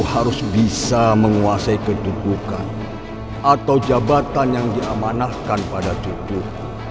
harus bisa menguasai kedudukan atau jabatan yang diamanahkan pada tubuh